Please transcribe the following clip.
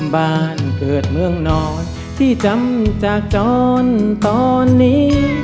บ้านเกิดเมืองนอนที่จำจากจรตอนนี้